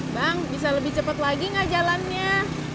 bang bisa lebih cepat lagi gak jalannya